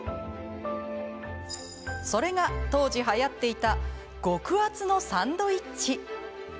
それが当時、はやっていた極厚のサンドイッチ。